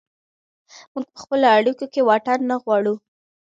موږ په خپلو اړیکو کې واټن نه غواړو.